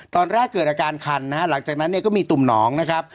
ตอนแรกเกิดอาการคันนะฮะหลังจากนั้นเนี่ยก็มีตุ่มหนองนะครับ